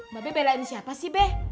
mabek belain siapa sih be